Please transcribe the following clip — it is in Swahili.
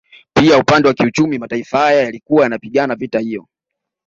Pia upande wa kiuchumi mataifa haya yalikuwa yanapigana vita hivyo